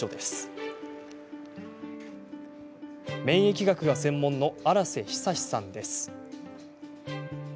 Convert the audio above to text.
免疫学が専門の荒瀬尚さんです。